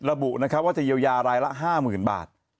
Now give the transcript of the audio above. ระบุนะครับว่าจะเยียวยารายละ๕๐๐๐บาท